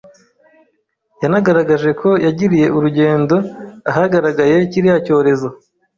yanagaragaje ko yagiriye urugendo ahagaragaye kiriya cyorezo